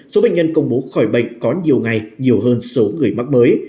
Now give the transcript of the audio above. số bệnh nhân công bố khỏi bệnh có nhiều ngày nhiều hơn số người mắc mới